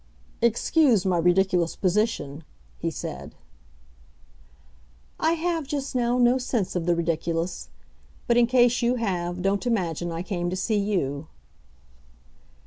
"Excuse my ridiculous position," he said. "I have just now no sense of the ridiculous. But, in case you have, don't imagine I came to see you."